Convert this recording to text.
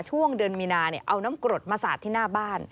ช่วงเดือนมีนาเอาน้ำกรดมาสาดที่หน้าบ้าน